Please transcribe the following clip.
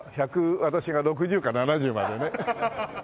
私が６０か７０までね。